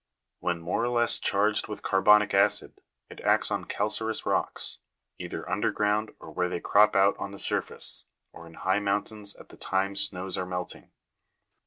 When more or less charged with carbonic acid it acts on calcareous rocks, either under ground or where they crop out on the surface ; or in high mountains at the time snows are melting.